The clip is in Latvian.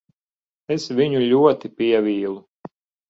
Es viņu ļoti pievīlu.